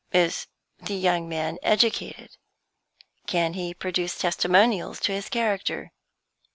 "Is the young man educated? Can he produce testimonials to his character?